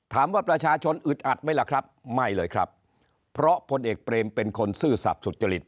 ถามว่าประชาชนอึดอัดไหมล่ะครับไม่เลยครับเพราะพลเอกเปรมเป็นคนซื่อสัตว์สุจริต